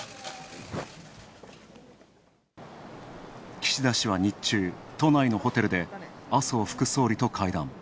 岸田氏は日中、都内のホテルで麻生副総理と会談。